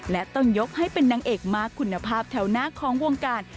และต้องยกให้เป็นนางเอกมากคุณภาพแถวหน้าของวงการ